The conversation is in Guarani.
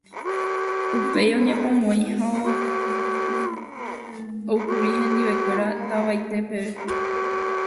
Upéi oñepomoĩ ha oúkuri hendivekuéra tavaite peve.